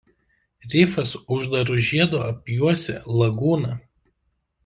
Rifas uždaru žiedu apjuosia lagūną.